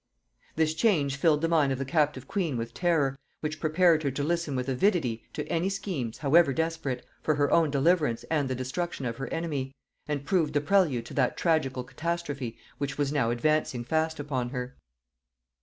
This change filled the mind of the captive queen with terror, which prepared her to listen with avidity to any schemes, however desperate, for her own deliverance and the destruction of her enemy; and proved the prelude to that tragical castastrophe which was now advancing fast upon her.